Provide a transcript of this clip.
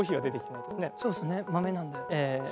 そうですね豆なんで。